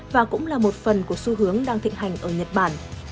và cũng là một phần của xu hướng đang thịnh hành ở nhật bản